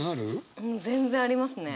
うん全然ありますね。